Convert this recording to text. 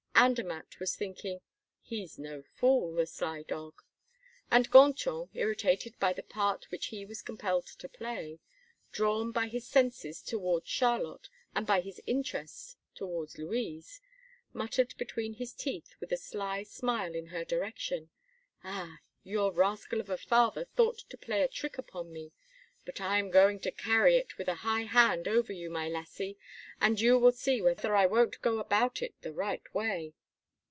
Andermatt was thinking: "He's no fool, the sly dog." And Gontran, irritated by the part which he was compelled to play, drawn by his senses toward Charlotte and by his interests toward Louise, muttered between his teeth with a sly smile in her direction: "Ah! your rascal of a father thought to play a trick upon me; but I am going to carry it with a high hand over you, my lassie, and you will see whether I won't go about it the right way!"